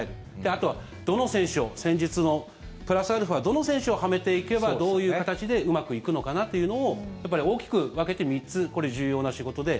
あとはどの選手を戦術のプラスアルファどの選手をはめていけばどういう形でうまくいくのかなっていうのをやっぱり大きく分けて３つこれ重要な仕事で。